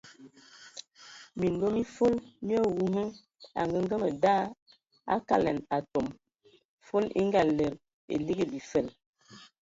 Minlo mi fol mi awu hm angəngəmə da akalɛn atɔm, fol e ngalɛdə e ligi bifəl.